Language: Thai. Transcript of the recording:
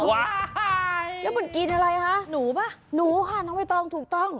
แล้วมันกินอะไรคะหนูป่ะหนูค่ะน้องใบตองถูกต้อง